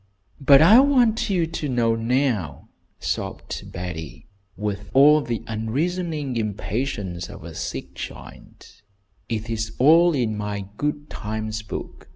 "But I want you to know now!" sobbed Betty, with all the unreasoning impatience of a sick child. "It is all in my 'Good times book.'